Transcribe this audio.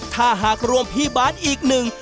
ถ้าหากรวมพี่บาทอีกหนึ่ง